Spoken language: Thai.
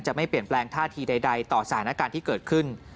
ไม่เปลี่ยนแปลงท่าทีใดต่อสถานการณ์ที่เกิดขึ้น